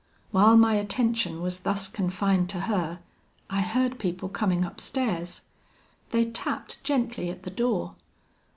"While my attention was thus confined to her, I heard people coming upstairs. They tapped gently at the door.